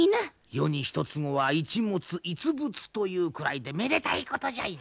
よにひとつ子は逸物逸物というくらいでめでたいことじゃいな。